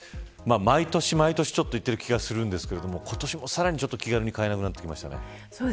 毎年毎年言っている気がしますが今年もさらに、気軽に買えなくなってきましたね。